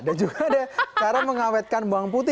dan juga ada cara mengawetkan bawang putih